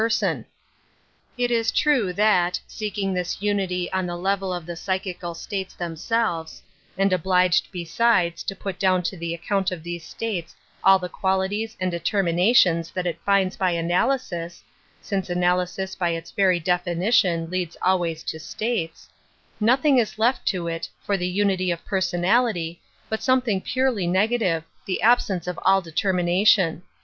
^ 34 An Introduction to It is true that, seeking this unity on the level of the psychical states themselves, and obliged, besides, to put down to the account of these states all the qualities and deter minations that it finds by analysis (since analysis by its very definition leads always to states ), nothing is left to it, for the unity of personality, but something purely nega tive, the absence of all determination.